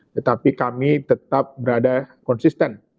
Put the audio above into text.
tetapi kami tetap berada konsisten